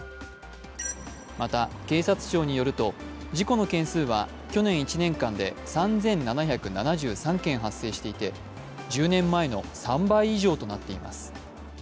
また、警察庁によると、事故の件数は去年１年間で３７７３件発生していて１０年前の３倍以上となっています。